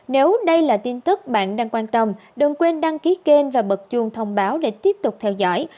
nếu đây là tin tức bạn đang quan tâm đừng quên đăng ký kênh và bật chuông thông báo để tiếp tục theo dõi